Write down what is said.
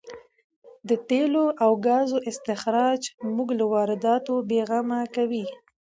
د تېلو او ګازو استخراج موږ له وارداتو بې غمه کوي.